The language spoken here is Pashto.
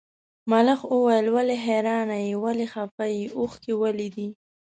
ملخ وویل ولې حیرانه یې ولې خپه یې اوښکي ولې دي.